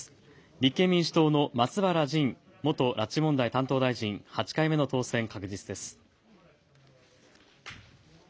立憲民主党の松原仁元拉致問題担当大臣、８回目の当選確実です。